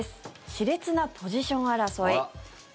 熾烈なポジション争い。